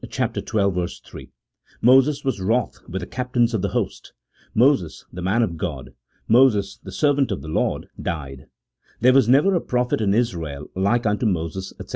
xii. 3) ; "Moses was wrath with the captains of the host ;" Moses, the man of God ;" "Moses, the servant of the Lord, died;" "There was never a prophet in Israel like unto Moses," &c.